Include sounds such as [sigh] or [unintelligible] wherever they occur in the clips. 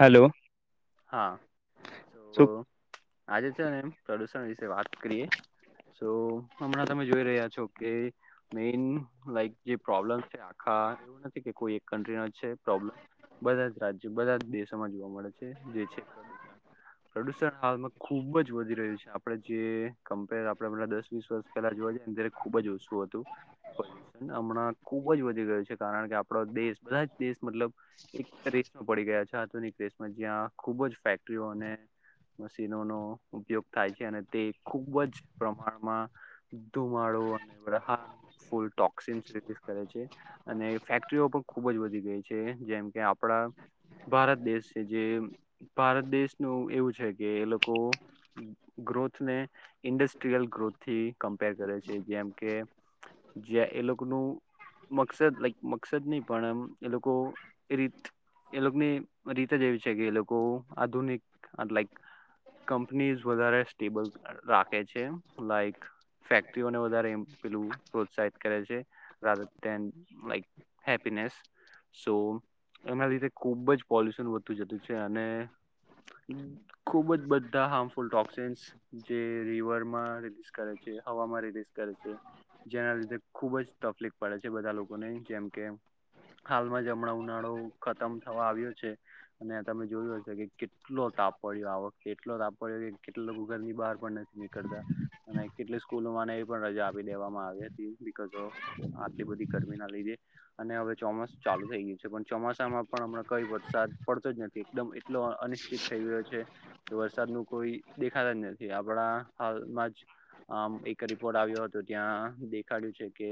Hello હા, તો શું આજે છે ને એમ પ્રદુષણ વિશે વાત કરીએ. તો હમણાં તમે જોઈ રહ્યા છો કે, મેન લાઈક જે પ્રોબ્લેમ છે આખા એવું નથી કે કોઈ એક કન્ટ્રી ના છે. પ્રોબ્લેમ, બધા જ રાજ્યો બધા જ દેશોમાં જોવા મળે છે, જે છે પ્રદૂષણ. પ્રદુષણ હાલમાં ખુબ જ વધી રહ્યું છે આપડે જે કમ્પેર આપે દસ વીસ વર્ષ પેલા જો અ ખુબ જ ઓછું હતું પોલ્યુન હમણાં ખુબ જ વધી ગયું છે, કારણ કે આપડો દેશ બધા જ દેશ મતલબ, એક રેસમાં પડી ગયા છે આધુનિક રેસમાં જ્યાં ખુબ જ ફેક્ટરીઓ અને મશીનોનો ઉપયોગ થાય છે, અને તે ખૂબ જ પ્રમાણમાં. ધુમાડો અને એ હ ફૂલ ટોક્સન્સ રિલીઝ કરે છે, અને ફેક્ટરીઓ પણ ખુબ જ વધી ગઈ છે જેમ કે આપણા હા. જે ભારત દેશનું એવું છે કે એ લોકો ગ્રોથને, ઇન્ડસ્ટ્રીયલ ગ્રોથ થી કમ્પેર કરે છે જેમ કે જે એ લોકોનું મકસદ લાઈક મકસદ નહી પણ એમ એ લોકો એ રીત એ લોકોને રીતે જેવી છે કે એ લોકો આધુનિક લક કંપનીઝ વધારે સ્ટેબલ રાખે છે, લાઈક ફેક્ટરીઓને વધારે પેલું પ્રોત્સાહિત કરે છે. લ હેપીનેસ, સો એમના લીધે ખુબ જ પોલ્યુશન વધતુ જતું છે અને. ખુબ જ બધા હાર્મફુલ ટોક્સન્સ જે રિવરમાં રિલીઝ કરે છે. હવામાં રિસ કરે છે. જેના લીધે ખુબ જ તકલીફ પડે છે બધા લોકોને જેમ કે હાલમાં જ હમણાં ઉનાળો ખતમ થવા આવ્યો છે. અને તમે જોયું હશે કે કેટલો તાપ પડ્યો આ વખતે એટલો તાપ પડ્યો કે કેટલા લોકો ઘરની બહાર પણ નથી નીકળતા, અને કેટલી સ્કૂલોને એ પણ રજા આપી દેવામાં આવી હતી, બ ઓ આટલી ગરમી લઈ અને, હવે ચોમાસું ચાલુ થઈ ગયું છે પણ ચોમાસામાં પણ કઈ વરસાદ પડતો જ નથી એકદમ એટલો અનિશ્ચિત થઈ ગયો છે, કે વરસાદ નું કોઈ દેખાતા જ નથી. આપણા હાલમાં જ આમ એક રિપોર્ટ આવ્યો હતો ત્યાં દેખાડ્યું છે કે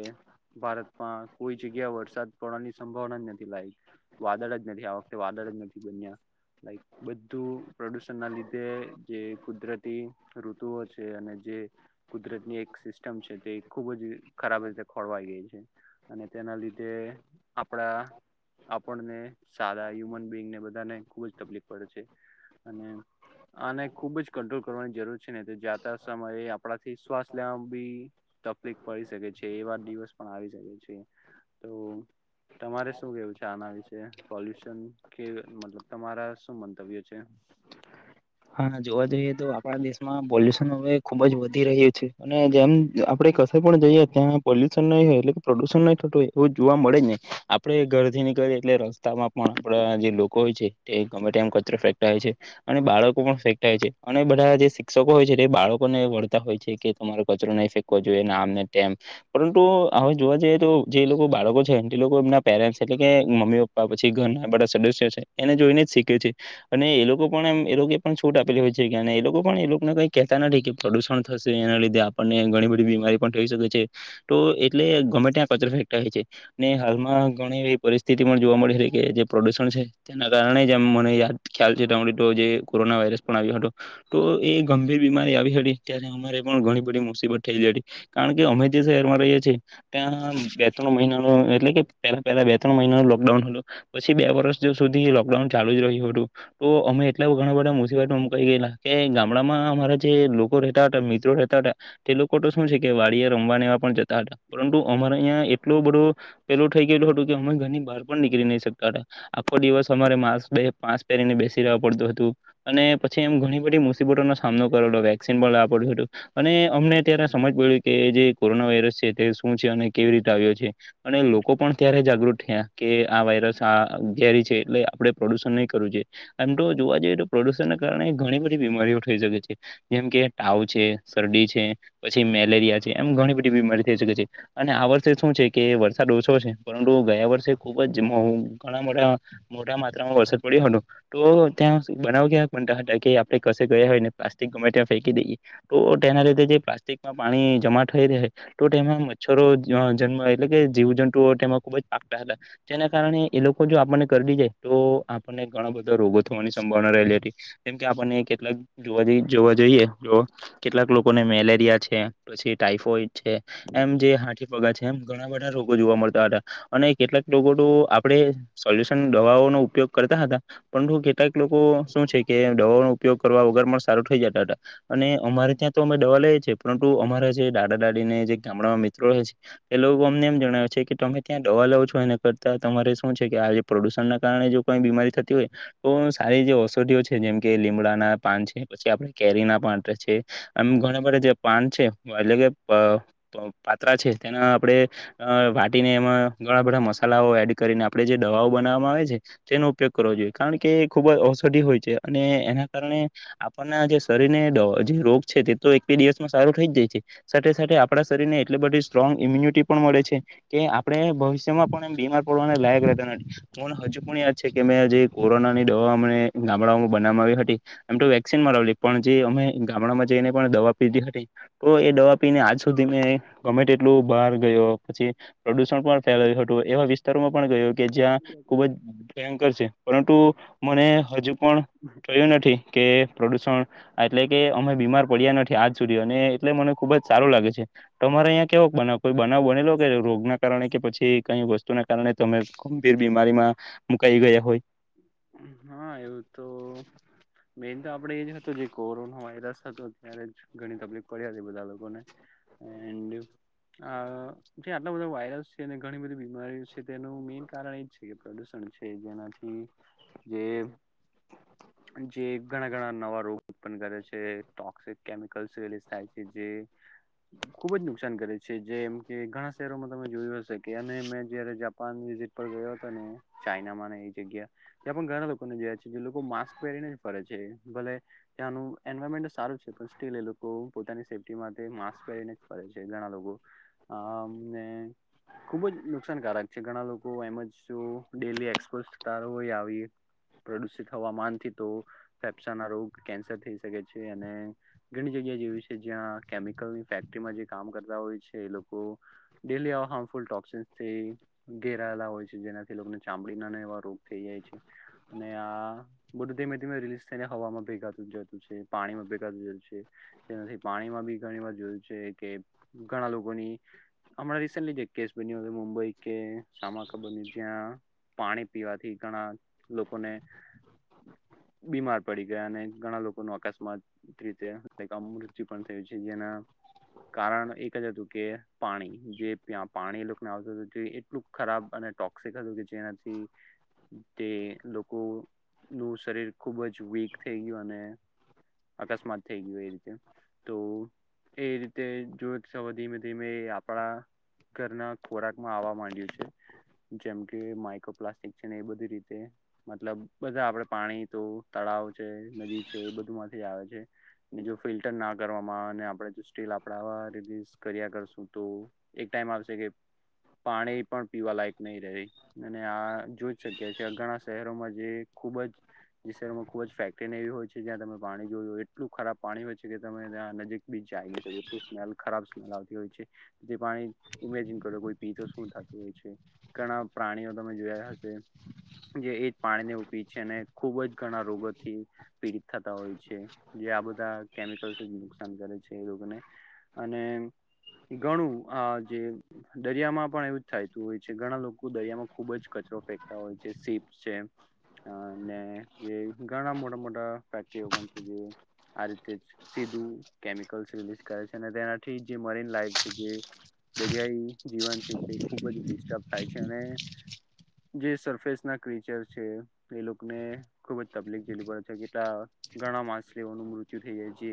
ભારતમાં કોઈ જગ્યા વરસાદ પડવાની સંભાવના જ નથી લાયક, વાદળ જ નથી આખ વાદળંગજી બન્યા. લક બધું પ્રદુષણ ના લીધે જે કુદરતી ઋતુઓ છે અને જે, કુદરતની એક સિસ્ટમ છે તે ખુબ જ ખરાબ રીતે ખોળવાઈ ગઈ છે. અને તેના લીધે આપણા આપણને સારા ુ બીંગને બધાને ખુબ જ તકલીફ પડે છે, અને આને ખુબ જ કંટ્રોલ કરવાની જરૂર છે ને તો જાતા સમયે આપણાથી શ્વાસ લેવા બી તકલીફ પડી શકે છે એવા દિવસ પણ આવી શકે છે. તો [inaudible] તમારે શું કેવું છે આના વિશે પોલ્યુસ? કે મતલબ તમારા શું મંતવ્ય છે? હા જોવા જઈએ તો આપણા દેશમા પોલ્યુશન હવે ખુબ જ વધી રહ્યું છે, અને જેમ આપડે કશે પણ જઈએ ત્યાં પોલુ શન ન હોય એટ પ્રદુષણ નહી થતુ હોય એવું જોવા મળે જ નઇ, આપડે ઘરેથી નીકળએ એટલે રસ્તામાં પણ આપણા જે લોકો હોય છે તે ગમે તે એમ કચરા ફેકતા હોય છે, અને બાળ કો છે અને બધા જે શિક્ષકો હોય છે તે બાળકોને વળતા હોય છે કે તમારો કચરો નઈ ફેકવો જોઈએ. મ ને તેમ, પરંતુ હવે જોવા જઈએ તો જે લોકો બાળકો છે તે લોકો એમના પેરેન્ટસ એટલે કે મમ્મી પપ્પા પછી ઘરના બધા સદસ્ય છે એને જોઈને જ શીખે છે, અને એ લોકો પણ એમ એ લોકો પણ છૂટ આપેલી હોય છે કે એ લોકો પણ એ લોકોને કઈ કહેતા નથી કે પ્રદુષણ થશે એના લીધે આપણને ઘણી બધી બી મારી એટલે ગમેે છે, હાલમાં ઘણી એ સ્થિતિ પણ જોવા મળે એ કે જે પ્રદૂષણ છે તેના કારણે જેમ મને યાદ ખ્યાલ છે ત તો જે કોરોના વાયરસ પણ આવ્યો હતો, તો એ ગંભીર બીમારી આવી હતી, ત્યારે અમારે પણ ઘણી બધી મુસીબત થઈ ગઈ હતી, કારણ કે અમે જે શહેરમાં રહીએ છીએ ત્યાં બે ત્રણ મહિના નો એટલે કે પેલા પહેલા બે ત્રણ મહિના લોકડાઉનું પછી બે વર્ષ સુધી લોકડાઉન ચાલુ જ રહ્યું હતું તો અમે એટલા ઘણા બધા મુસીબ કહી ગેલા કે ગામડામાં અમારા જે લોકો રહેતા હતા મિત્રો રહેતા હતા તે લોકો તો શુ છે કે વાડીએ રમવા ને એવા પણ જતા હતા, પરંતુ અમારે અહીયા એટલો બધો પેલું થઈ ગેલુ હતું કે અમે ઘરની બહાર પણ નીકળી નઈ શકતા હતા, આખો દિવસ અમારે માસક બે માસ્ક પહેરીને બેસી રહેવા પડતું હતું. અને પછી એમ ઘણી બધી મુસીબતોનો સામનો કરેલો, વેક્સિન પણ [unintelligible] પડ્યું હતું અને અમને ત્યારે સ સમજ પડીકે જે કોરોના વાયરસ છે તે શું છે, અને કેવી રીતે આવ્યો છે, અને લોકો પણ ત્યારે જાગૃત થિયા કે આ વાયરસ આ ઘેરી છે એટલે આપે પ્રદુષણ નહી કરવું જોઈએ એમતો જોવા જઈએ તો પ્રદૂષણને કારણે ઘણી બધી બીમારીઓ થઈ જવે છે, જેમ કે તાવ છે, શરદી છે, પછી મેલેરિયા છે, એમ ઘણી બધી બીમારી થઈ શકે છે, અને આ વર્ષે શું છે કે વરસાદ ઓછો છે પરંતુ ગયા વ વર્ષે ખુબ જ જીમોઉ ઘણા બધા મોટા માત્રામાં વરસાદ પડ્યો હતો, તો ત્યાં બનાવ ગયા પણ ત્યાંના તડકે આપડે કશે ગયા હોય ને પ્લાસ્ટિક ગમે ત્યાં ફેંકી દઈએ, તો તેના લીતે જે પ્લાસ્ટ ટિક મા પાણી જમા થઈ રહે, તો તેમાં મચ્છરો જેવા જન્મ એટલે કે જીવ જંતુઓ તેમાં ખુબજ આપતા હતા, જેને કારણે એ લોકો જો આપડને કરડી જાય તો આપણને ઘણા બધો રોગો થવાની સંભાવના રહેલી હતી, જેમ કે આપણને કેટલાક જોવા જઇયે જોવા જોઈએ જો કેટલાક લોકોને મેલે રિયા છે, પછી ટાઈફોઈડ છે, એમ જે હાથીપગા છે, એમ ઘણા બધા રોગો જોવા મળતા હતા. અને કેટલાક લોકો તો આપણે સોલ્યુશન દવાઓનો ઉપયોગ કરતા હતા પણ લોકે ક લોકો શું છે કે દવાઓ નો ઉપયોગ કરવા વગર મા સારું થઈ જતાતા, અને અમારે ત્યાં તો અમે દવા લે છે પરંતુ અમારા જે દાદા દાદી ને જે ગામડામાં મિત્રો છે એ લોકો અમને એમ જણાવે છે કે તમ ને ત્યાં દવા લાવ છો એના કરતા તમારે શું છે કે આજે પ્રદુષણ ના કારણે જો કોઈ બીમારી થતી હોય તો સારી જે ઔષધિઓ છે જેમ કે લીમડાના પાન છે, પછી આપણે કેરી ના પાન પણ છે, આમ ઘણા બધા જે પાન છે એટલે કે પ પ પાત્રા છે, તેના આપણેે વાટી ને એમાં ઘણા બધા મસાલાઓ એડ કરીને, આપડણે જે ડવાઓ બનાવામાં આવે છે, તેનો ઉપયોગ કરવો જોઈએ કારણ કે ખુબ જ ઔષધી હોય છે અને એના કારણે આપણના જે શરીરને જ જે રોગ છે તે તો એક બે દિવસમાં સારું થઈ જાય છે સાથે સાથે આપણા શરીર ને એટલી બધી સ્ટ્રોંગ ઇમ્યુનિટી પણ મળે છે કે આપણે ભવિષ્યમાં પણ એમ બીમાર પડવાને લાયક રહેતા નથી મન હજુ પણ યાદ છે કે મે જે કોરોના ની દવા અમને ગામડામાં બનાવામાં આવી હતી એમ તો વેક્સિન મરાવલી પણ જે અમે ગામડામાં જે જેને પણ દવા પીધી હતી તો એ દવા પીને આજ સુધી મેં ગમે ટેટલું બહાર ગયો પછી પ્રદુષણ પણ ફેલાયુ હતું એવા વિસ્તારોમાં પણ ગયો કે જ્યાં ખુબ જ ભયંકર છે તુ મને હજુ પણ થયુ નથી કે પ્રદુષણ એટલે કે અમે બીમાર પડ્યા નથી આજ સુધી, અને એટલે મને ખુબ જ સારું લાગે છે. તમારે અહીયા કેવો બનાવ કોઈ બનાવ બનેલો? કે રોગ ના કારણે કે પછી કઈ વસ્તુ ના કારણે તમે ગંભીર બીમારીમાં મુકાઈ ગયા હોય હા એવું તો મેન તો આપણેે એ જે હતું જે કોરોના વાયરસ હતો ત્યારે ઘણી તકલીફ પડી હતી બધા લોકોને એન્ડ્યુ આ જે આટલા બધા વાયરસ છે, અને ઘણી બધી બીમારી છે, તેનું મેન કારણ એજ છે કે પ્રદુષણ છે જેનાથી જે [inaudible] જે ઘણા ઘણા નવા રોગ ઉત્પન્ન કરે છે, ટોકશીક કેમિકલ થીબી થાય છે જે ખુબ જ નુકસાન કરે છે, જેમ કે ઘણા શહેરોમાં તમે જોયું હશે કે અને મેં જયારે જાપાન ટ્રિપ પર ગયો હતો ને ચાઈનામાં ને એ જગ્યા ત્યાં પણ ઘણા લોકોને જોયા છે જે લોકો માસ્ક પહેરીને જ ફરે છે ભલે ત્યાંનું એન મેન્ટ સારુ છે, પણ સ્ટીલ એ લોકો પોતાની સેફ્ટી માટે માસ્ક પહેરીને ફરે છે, ઘણા લોકો આ અમને ખુબ જ નુકસાનકારક છે ઘણા લોકો એમજ શું ડેલી એક્સપો તારું હોય આવી પ્રદુષિત હવામાનથી તો ફેફસા ના રોગ કેન્સર થઈ શકે છે, અને ઘણી જગ્ય ગ્યા જેવી છે, જ્યાં કેમિકલની ફેક્ટરીમા જે કામ કરતા હોય છે એ લોકો ડેલી આવા હાર્મફૂલ ટોક્સિસ થી ઘેરાયેલા હોય છે, જેનાથી લોકને ચામડીનાને એવા [unintelligible] થઈ જાય છે અને આ બધું ધીમે ધીમે રિલીઝ થઈને હવામાં ભેગાતું જતું છે. પાણીમાં ભેગાતું જતું છે તેનાથી પાણીમાં બી ઘણી વાર જોયું છે કે અ ઘણા લોકોની હમણાં રિસેન્ટલી જ એક કેસ બન્યો હતો મુંબઈ કે સામા ખબર નઈ જ્યાં પાણી પીવાથી ઘણા લોકોને બીમાર પડી ગયા અને ઘણા લોકો નુ અકસ્માત રીતે લાઈક આમ મૃત્યુ પણ થયું છે જેના કારણ એક જ હતું કે પાણી જે ત્યાં પાણી એ લોકોને આવતું હતું એટલું ખરાબ અને ટોક્સિક હતું કે જેનાથી તે લોકો નું શરીર ખુબ જ વીક થઈ ગયું અને અકસ્માત થઈ ગયું એ રીતે તો એ રીતે જો સો ધીમે ધીમે આપણા ઘરના ખોરાક માં આવવા માંડ્યું છે જેમ કે માયકો પ્લાસ્ટિક છે ને એ બધી રીતે મતલબ બધા આપડે પાણી તો તળાવ છે, નદી છે બધુંમાંથી આવે છે અને જો ફિલ્ટર ના કરવામાં આવે ને આપડે જો સ્ટીલ આપડા રિલીઝ કર્યા કરે કરશું તોએક ટાઈમ આવશે કે પાણી પણ પીવા લાયક નહી રહે ને આ જોઈ શકીએ છે ઘણા શહેરોમાં જે ખુબ જ જે શહેરમાં ખુબ જ ફેક્ટરીને એવી હોય છે જ્યાં તમે પાણી જોયુ એટલું ખરાબ પાણી હોય છે કે તમે ત્યાં નજીક ની જાય શકો એટલી ખરાબ સ્મેલ આવતી હોય છે જે પાણી ઇમેજન કરો કોઈ પી તો શું થતું હ હોય છે ઘણા પ્રાણીઓ તમે જોયા હશે જે એજ પાણીને એવુ પિય છે ને ખુબ જ ઘણા રોગોથી પીડિત થતા હોય છે. આ બધા કેમિકલ્સ જ નુકસાન કરે છે એ રોગને અને ઘણું આ જે દરિયામાં પણ એવું જ થતું હોય છે ઘણા લોકો દરિયામાં ખુબ જ કચરો ફેંકતા હોય છે સીપસ એમ અને એ ઘણા મોટા મોટા ફેક્ટરીઓ પણ છે જે આ રીતે જ સીધું કેમિકલ્સ રિલીઝ કરે છે અને તેનાથી જે મરીન લાઈફ છે જે દરિયાઈ જીવન છે તે ખુબ જ ડિસ્ટર્બ થાય છે અને [inaudible] જે સરફેસ ના ક્રિચરસ છે તે લોકોને ખુબ જ તકલીફ જેલવી પડે છે કેટલા ઘણા માછલીઓનું મૃત્યુ થઈ જાય છે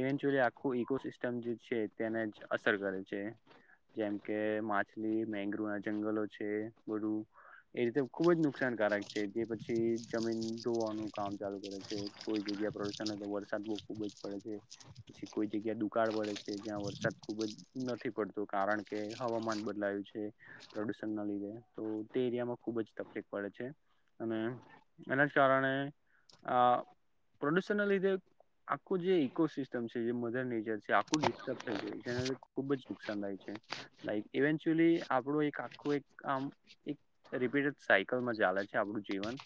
ઇવેન્ટુઅલી આખું ઇકોસિસ્ટમ જે છે તેને અસ અસર કરે છે જેમ કે માછલી, મેગ્રુવના જંગલો છે બધું એ રીતે ખુબ જ નુકસાનકારક છે જે પછી જમીન ધોવાનું કામ ચાલુ કરે છે કોઈ જ્યાં પ્રદૂષણ હોય વરસાદ બઉ ખુબ જ પડે છે પછી કોઈ જગ્યા દુકાળ પડે છે જ્યાં વરસાદ ખુબ જ નથી પડતું કારણ કે હવામાન બદલાયું છે પ્રદુષણના લીધે તો તે એરિયામાં ખુબ જ તકલીફ પડે છે અને એના જ કારણે આ પ્રોડ્યુસર ના લીધે આખું જે ઈકોસિસ્ટમ છે એ મધર નેચર છે આખું ડિસ્ટર્બ થઈ ગયું છે એનાથી ખુબ જ નુકશાન થાય છે લાઈક ઇવેન્ટુઅલી આપડું એક આખું એક આમ એક રિપીટેડ સાયકલમાં ચાલે છે આપણું જીવન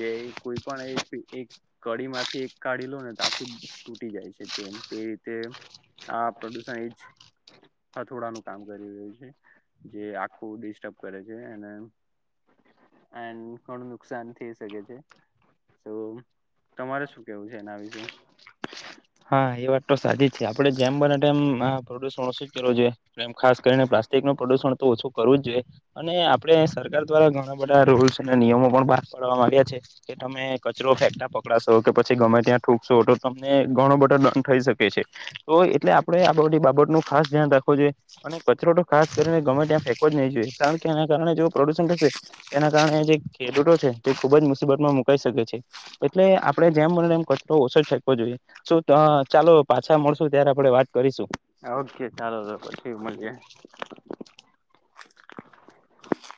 જે કોઈ પણ એ એક કડી માંથી એક કાઢી લો ને તો આખું તૂટી જાય છે. જેમ તે રીતે આ પ્રદુષણ એજ હથોડાનું કામ કરી રહ્યું છે જે આખું ડિસ્ટર્બ કરે છે. અને એન્ડ ઘણું નુકસાન થઈ શકે છે. તો તમારે શું કેવું છે એના વિશે? હા એ વાત તો સાચી જ છે આપડે જેમ બને તેમ પ્રદુષણ ઓછું જ કરવુ જોઈએ એમ ખાસ કરીને પ્લાસ્ટિક નું પ્રદુષણ તો ઓછું કરવું જ જોઈએ અને આપણે સર સરકાર દ્વારા ઘણા બધા રૂલ્સ અને નિયમો પણ પા પાડવામાં આવ્યા છે કે તમે કચરો ફેંકતા પકડાશો કે પછી ગમે ત્યાં થુકશો તો તમને ઘણો બધો દડ થઈ શકે છે તો એટલે આપણે આ બધી બાબત નું ખાસ ધ્યાન રાખવું જોઈએ અને કચરો ખાસ કરીને ગર્મે ત્યા ફેંકવો જ નહીં જોઈએ કારણ કે એના કારણે જે પ્રદુષણ થશે તેના કારણે જે ખેડૂત ખેડૂતો છે તે ખુબ જ મુસીબત માં મુકાઈ શકે છે એટલે આપડે જેમ બને તેમ કચરો ઓછો જ ફેકવો જોઈએ. શું તો ચાલો પાછા મળશુ ત્યારે આપડે વાત કરીશું. ઓકે ચાલો તો પછી મલયે.